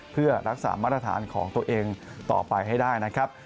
เพื่อรักษามาตรฐานของตัวเองต่อไปให้ได้นะครับ